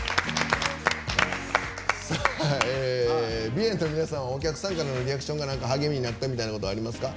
美炎‐ＢＩＥＮ‐の皆さんはお客さんからのリアクションが励みになったみたいなことありますか？